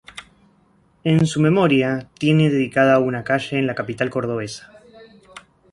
En su memoria tiene dedicada una calle en la capital cordobesa.